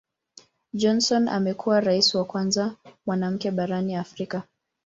Johnson amekuwa Rais wa kwanza mwanamke barani Afrika.